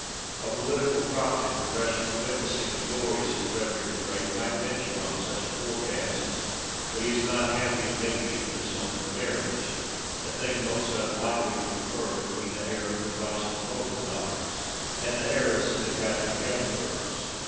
A political prophet, fresh from witnessing the glories of Frederick the Great, might venture on such a forecast ; but he is not happy in making it the result of a marriage THE EDITOR'S PREFACE. xi a thing most unlikely to occur between the heir of the Protestant Hohenzollerns and the heiress of the Catholic Hapsburgs.